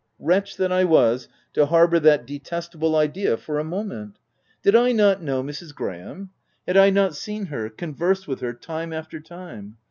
Wretch that I was to harbour that detestable idea for a moment ! Did I not know Mrs. Graham ? Had I not seen her, conversed with her time after time